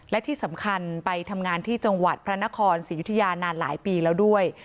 และที่สำคัญไปทำงานที่จังหวัดพระนครศรียุธยานานหลายปีแล้วด้วย